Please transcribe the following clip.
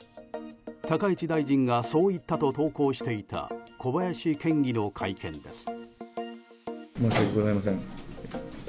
高市大臣がそう言ったと投稿していた小林県議の会見です。